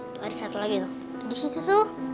tuh ada satu lagi tuh disitu tuh